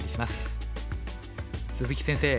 鈴木先生